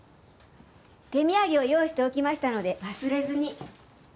手土産を用意しておきましたので忘れずに。